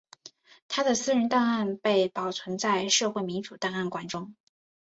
他的私人档案被保存在社会民主档案馆中。